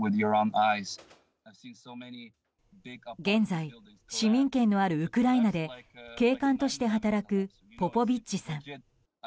現在、市民権のあるウクライナで警官として働くポポビッチさん。